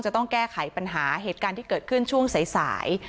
จะต้องแก้ไขปัญหาเหตุการณ์ที่เกิดขึ้นช่วงสาย